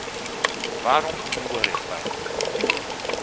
Waarom een nieuwe richtlijn?